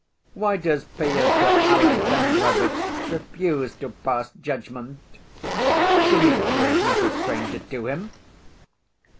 Why does Pyotr Alexandrovitch refuse to pass judgment? Dmitri is not a stranger to him.